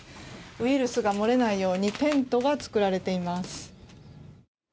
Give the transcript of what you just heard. ウイルスが漏れないようにテントが作られています。